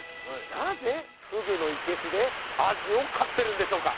なぜふぐのいけすでアジを飼ってるんでしょうか？